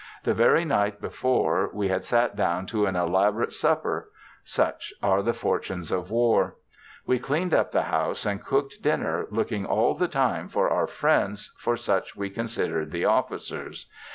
The very night before we had sat down to an elaborate supper; such are the fortunes of war! We cleaned up the house and cooked dinner, looking all the time for our friends for such we considered the officers.